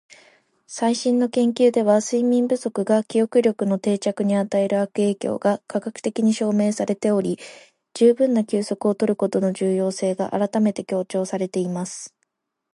「最新の研究では、睡眠不足が記憶力の定着に与える悪影響が科学的に証明されており、十分な休息を取ることの重要性が改めて強調されています。」